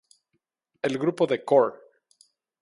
El grupo de Cor.